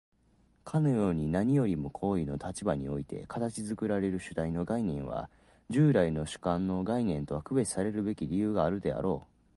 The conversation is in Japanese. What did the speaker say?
かように何よりも行為の立場において形作られる主体の概念は、従来の主観の概念とは区別さるべき理由があるであろう。